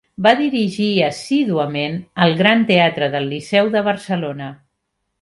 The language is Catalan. Va dirigir assíduament al Gran Teatre del Liceu de Barcelona.